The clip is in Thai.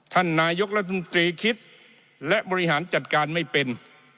ท่านนายกรัฐมนตรีคิดและบริหารจัดการไม่เป็น